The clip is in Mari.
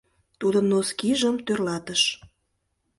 Тудын носкижым тӧрлатыш.